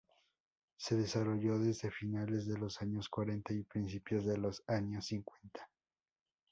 Se desarrolló desde finales de los años cuarenta y principios de los años cincuenta.